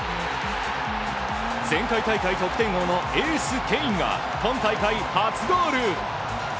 前回大会得点王のエースケインが今大会初ゴール！